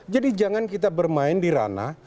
jadi jangan kita bermain di ranah